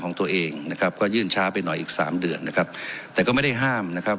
ของตัวเองนะครับก็ยื่นช้าไปหน่อยอีกสามเดือนนะครับแต่ก็ไม่ได้ห้ามนะครับ